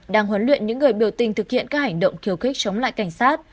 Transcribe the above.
đang huấn luyện những người biểu tình thực hiện các hành động khiêu khích chống lại cảnh sát